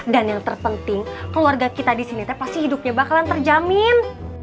dan yang terpenting keluarga kita di sini teg pasti hidupnya bakalan terjamin